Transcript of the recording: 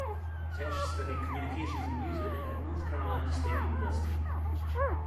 Tesh studied communications and music at North Carolina State University.